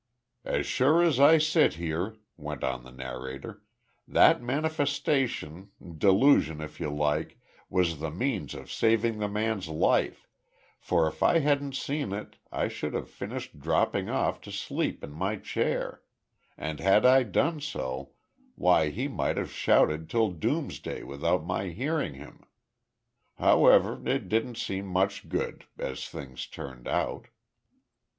"As sure as I sit here," went on the narrator, "that manifestation delusion, if you like was the means of saving the man's life, for if I hadn't seen it I should have finished dropping off to sleep in my chair, and had I done so, why he might have shouted till doomsday without my hearing him. However, it didn't seem much good, as things turned out."